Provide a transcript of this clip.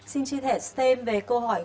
xin chia sẻ thêm về câu hỏi